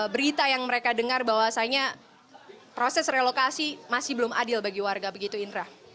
berita yang mereka dengar bahwasannya proses relokasi masih belum adil bagi warga begitu indra